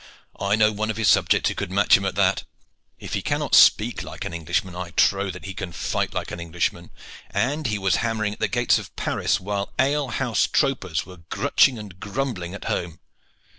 I know one of his subjects who could match him at that. If he cannot speak like an Englishman I trow that he can fight like an Englishman, and he was hammering at the gates of Paris while ale house topers were grutching and grumbling at home."